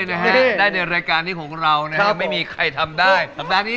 นะฮะได้ในรายการนี้ของเรานะครับไม่มีใครทำได้สัปดาห์นี้